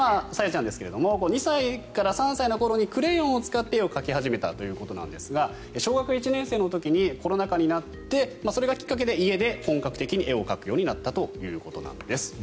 Ｓａｙａちゃんですが２歳から３歳の頃にクレヨンを使って絵を描き始めたということですが小学１年生の時にコロナ禍になってそれがきっかけになって家で本格的に絵を描くことになったということなんです。